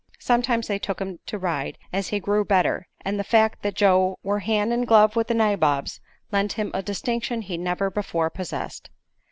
Sometimes they took him to ride, as he grew better, and the fact that Joe "were hand an' glove wi' the nabobs" lent him a distinction he had never before possessed.